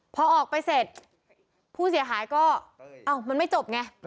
พอออกไปเสร็จผู้เสียหายก็เอ้ามันไม่จบไง